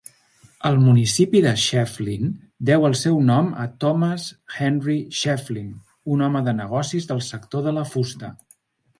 El municipi de Shevlin deu el seu nom a Thomas Henry Shevlin, un home de negocis del sector de la fusta.